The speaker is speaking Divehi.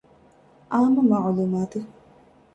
އާންމު މަޢުލޫމާތު